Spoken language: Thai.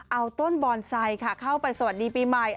เอาต้นบอนไซค์ค่ะเข้าไปสวัสดีปีใหม่